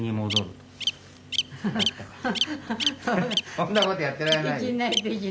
そんなことやってられない？